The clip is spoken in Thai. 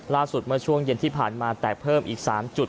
ล่าสุดมาช่วงเย็นที่ผ่านมาแตกเพิ่มอีก๓จุด